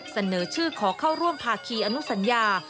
เสนอชื่อขอเข้าร่วมภาคีอนุสัญญา